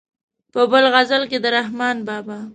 په بل غزل کې د رحمان بابا.